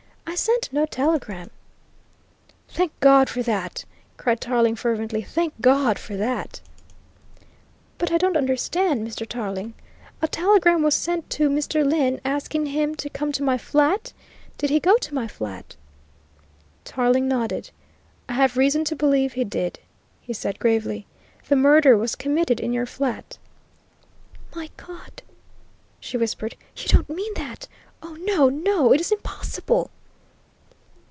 "I sent no telegram." "Thank God for that!" cried Tarling fervently. "Thank God for that!" "But I don't understand, Mr. Tarling. A telegram was sent to Mr. Lyne asking him to come to my flat? Did he go to my flat?" Tarling nodded. "I have reason to believe he did," he said gravely. "The murder was committed in your flat." "My God!" she whispered. "You don't mean that! Oh, no, no, it is impossible!"